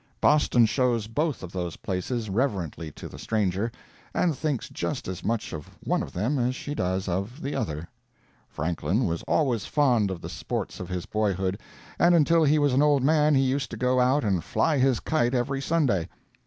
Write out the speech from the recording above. Boston shows both of those places reverently to the stranger, and thinks just as much of one of them as she does of the other. Franklin was always fond of the sports of his boyhood, and until he was an old man he used to go out and fly his kite every Sunday.